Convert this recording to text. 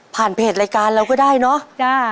เพจรายการเราก็ได้เนอะ